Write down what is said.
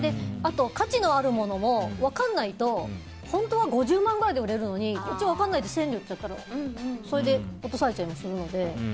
あと価値のあるものも分かんないと本当は５０万ぐらいで売れるのに、こっちは分かんないで１０００円で売っちゃったらそれで落とされたりするので。